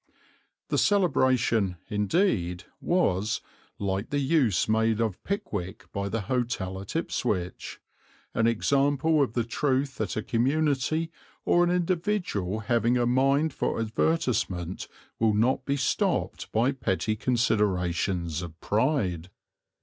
The celebration, indeed, was, like the use made of Pickwick by the hotel at Ipswich, an example of the truth that a community or an individual having a mind for advertisement will not be stopped by petty considerations of pride.